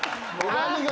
何が？